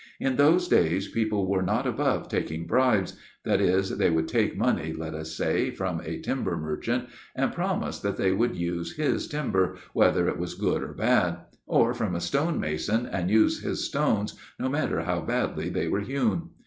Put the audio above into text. In those days people were not above taking bribes that is, they would take money, let us say, from a timber merchant, and promise that they would use his timber, whether it was good or bad; or from a stonemason, and use his stones, no matter how badly they were hewn.